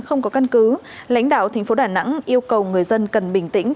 không có căn cứ lãnh đạo thành phố đà nẵng yêu cầu người dân cần bình tĩnh